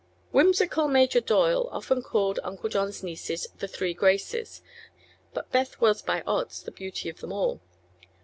Whimsical Major Doyle often called Uncle John's nieces "the Three Graces"; but Beth was by odds the beauty of them all.